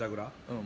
うん。